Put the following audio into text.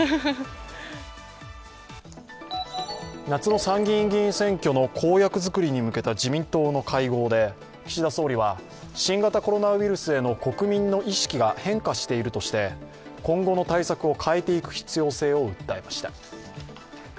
夏の参議院選挙の公約作りに向けた自民党の会合で、岸田総理は新型コロナウイルスへの国民の意識が変化しているとして、今後の対策を変えていく必要性を訴えました。